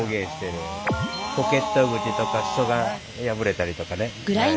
ポケット口とか裾が破れたりとかね。